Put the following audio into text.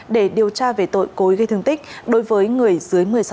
để điều tra về tội cối gây thương tích đối với người dưới một mươi sáu